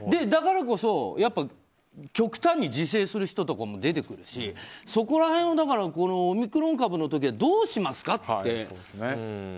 だからこそ極端に自制する人とかも出てくるしそこら辺をオミクロン株の時はどうしますかって。